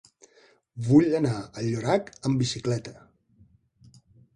Vull anar a Llorac amb bicicleta.